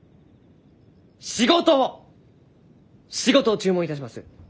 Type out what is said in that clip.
仕事を仕事を注文いたします。